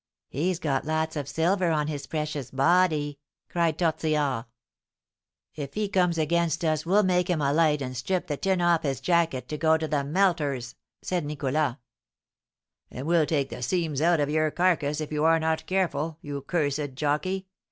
"He's got lots o' silver on his precious body!" cried Tortillard. "If he comes against us we'll make him alight and strip the 'tin' off his jacket to go to the melter's," said Nicholas. "And we'll take the seams out of your carcase if you are not careful, you cursed jockey!"